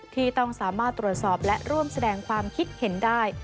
ที่ต้องสามารถตรวจสอบและร่วมแสดงความคิดเห็นได้